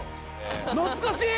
懐かしい！